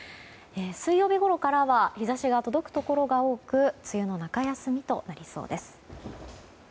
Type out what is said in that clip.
水曜日ごろからは日差しが届くところが多く梅雨の中休みとなりそうです。